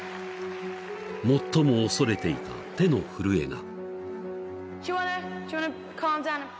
［最も恐れていた手の震えが］